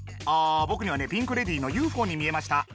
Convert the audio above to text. あぼくにはねピンク・レディーの「ＵＦＯ」に見えました。